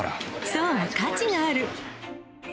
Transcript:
そう、価値がある。